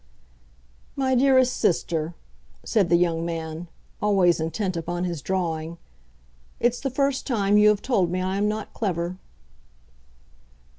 "My dearest sister," said the young man, always intent upon his drawing, "it's the first time you have told me I am not clever."